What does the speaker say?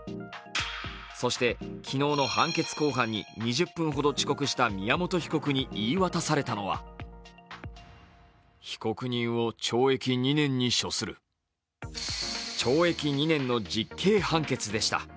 そして昨日の判決公判に２０分ほど遅刻した宮本被告に言い渡されたのは懲役２年の実刑判決でした。